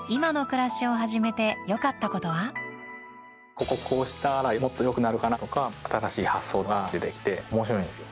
こここうしたらもっと良くなるかなとか新しい発想が出て来て面白いんですよ。